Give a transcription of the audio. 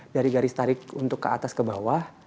dari garis tarik untuk ke atas ke bawah